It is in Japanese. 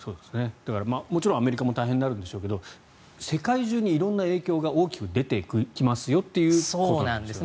だからもちろんアメリカも大変になるんでしょうけど世界中に色んな影響が大きく出てきますよっていうことなんですね。